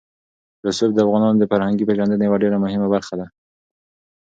رسوب د افغانانو د فرهنګي پیژندنې یوه ډېره مهمه برخه ده.